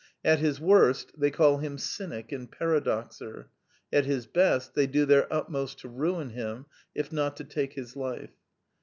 At his worst, they call him cynic and paradoxer: at his best they do their utmost to ruin him, if not to take his life.